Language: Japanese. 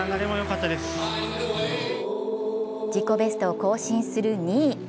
自己ベストを更新する２位。